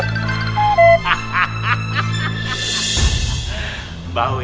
lebih dalam lagi